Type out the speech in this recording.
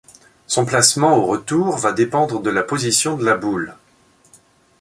Son placement au retour va dépendre de la position de la boule.